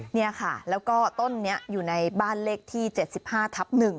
นี่ค่ะแล้วก็ต้นนี้อยู่ในบ้านเลขที่๗๕ทับ๑